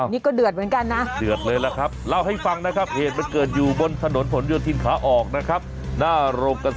เตรงม่วงครับมอเตอร์ไซค์จี้แม่งจี้อย่างเดียวครับไอ้ค